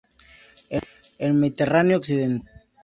En el Mediterráneo occidental.